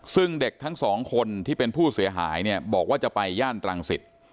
ซึ่งเด็กทั้งสองคนที่เป็นผู้เสียหายเนี่ยบอกว่าจะไปย่านตรังสิต